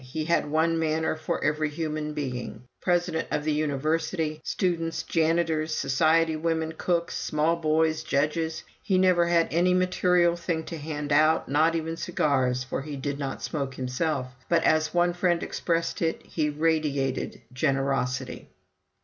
He had one manner for every human being President of the University, students, janitors, society women, cooks, small boys, judges. He never had any material thing to hand out, not even cigars, for he did not smoke himself, but, as one friend expressed it, "he radiated generosity."